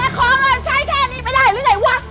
แต่ขอเงินใช้แค่นี้ไม่ได้หรือไหนวะ